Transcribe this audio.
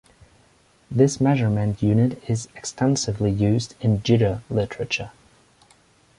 This measurement unit is extensively used in jitter literature.